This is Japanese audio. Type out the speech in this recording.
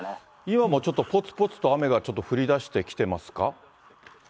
今もちょっと、ぽつぽつと雨がちょっと降りだしてきてますか？